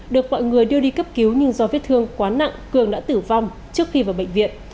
được mọi người đưa đi cấp cứu nhưng do vết thương quá nặng cường đã tử vong trước khi vào bệnh viện